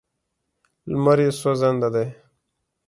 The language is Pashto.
لمر یې سوځنده دی.